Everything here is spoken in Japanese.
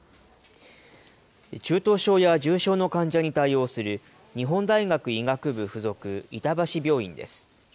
中等症や重症の患者に対応する日本大学医学部附属板橋病院です。